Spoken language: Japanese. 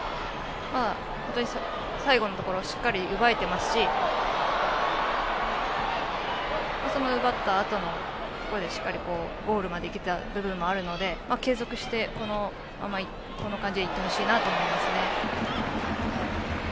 最後のところをしっかり奪えていますし奪ったあとのところでもしっかりゴールにいけた部分もあったので継続して、この感じで行ってほしいなと思います。